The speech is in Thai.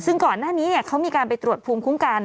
ซึ่งก่อนหน้านี้เขามีการไปตรวจภูมิคุ้มกัน